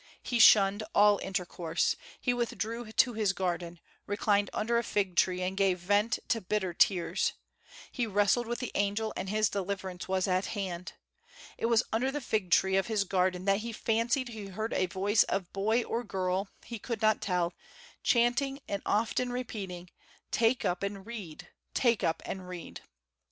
He shunned all intercourse. He withdrew to his garden, reclined under a fig tree, and gave vent to bitter tears. He wrestled with the angel, and his deliverance was at hand. It was under the fig tree of his garden that he fancied he heard a voice of boy or girl, he could not tell, chanting and often repeating, "Take up and read; take up and read."